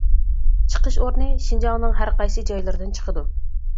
چىقىش ئورنى شىنجاڭنىڭ ھەر قايسى جايلىرىدىن چىقىدۇ.